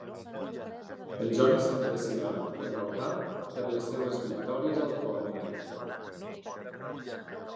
En Johnny sempre serà recordat per les seves victòries al "Fortnite".